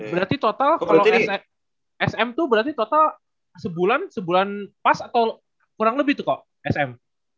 berarti total kalau sm itu berarti total sebulan sebulan pas atau kurang lebih tuh kok sm